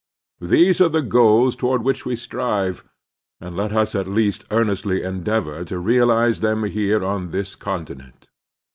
These are the goals toward which we strive; and let us at least earnestly endeavor to realize them here on this continent.